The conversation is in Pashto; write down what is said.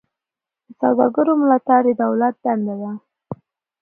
د سوداګرو ملاتړ د دولت دنده ده